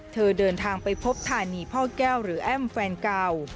เดินทางไปพบธานีพ่อแก้วหรือแอ้มแฟนเก่า